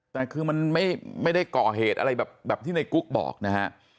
แต่คือมันไม่ได้ก่อเหตุอะไรแบบที่ในกุ๊กบอกนะฮะ